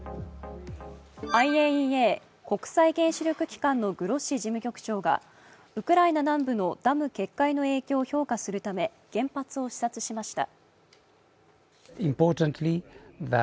ＩＡＥＡ＝国際原子力機関のグロッシ事務局長がウクライナ南部のダム決壊の影響を調査するため、原発を視察しました。